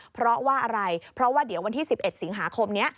เพราะว่าอะไรเพราะว่าเดี๋ยววันที่๑๑สิงหาคมนี้